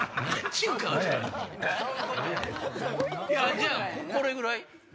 じゃあこれぐらい。